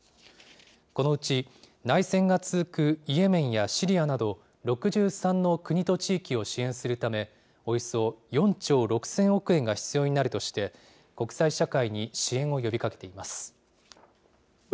このうち、内戦が続くイエメンやシリアなど、６３の国と地域を支援するため、およそ４兆６０００億円が必要になるとして、国際社会に支援を呼びかけています。